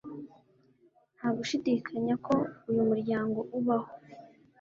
ntagushidikanya ko uyu muryango ubaho